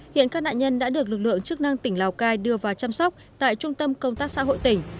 hiện các nạn nhân đã được lực lượng chức năng tỉnh lào cai đưa vào chăm sóc tại trung tâm công tác xã hội tỉnh